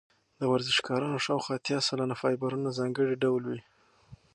د ورزشکارانو شاوخوا اتیا سلنه فایبرونه ځانګړي ډول وي.